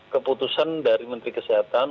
keputusan dari menteri kesehatan